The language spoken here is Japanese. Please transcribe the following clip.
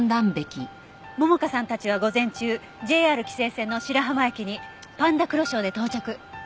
桃香さんたちは午前中ＪＲ紀勢線の白浜駅にパンダくろしおで到着。